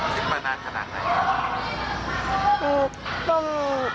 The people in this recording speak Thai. คิดมานานขนาดไหนครับ